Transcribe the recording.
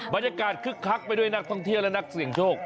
คึกคักไปด้วยนักท่องเที่ยวและนักเสี่ยงโชค